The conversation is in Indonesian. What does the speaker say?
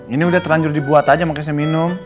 ini udah terlanjur dibuat aja makanya saya minum